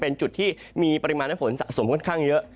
เป็นจุดที่มีปริมาณฝนสะสมค่อนข้างเยอะ